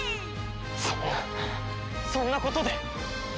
そんなそんなことで！